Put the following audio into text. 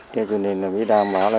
thế cho nên là biết đam báo là